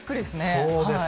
そうです。